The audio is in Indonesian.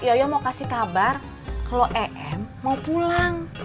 yoyo mau kasih kabar kalau em mau pulang